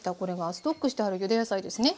ストックしてあるゆで野菜ですね。